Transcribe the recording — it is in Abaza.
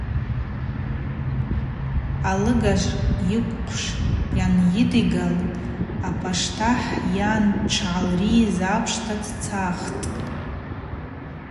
Алыгажв йыхъвшв анйыдигал апаштыхӏ йан дшгӏалрыйыз апшта дцахтӏ.